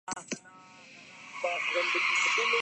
یہی ٹھیک راستہ ہے۔